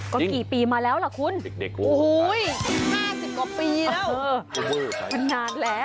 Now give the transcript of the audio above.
ก็กี่ปีมาแล้วล่ะคุณโอ้โห๕๐กว่าปีแล้วมันนานแล้ว